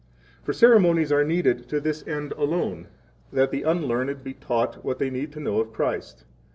For ceremonies are needed to this end alone that the unlearned 4 be taught [what they need to know of Christ].